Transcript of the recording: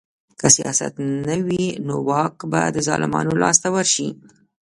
که سیاست نه وي نو واک به د ظالمانو لاس ته ورشي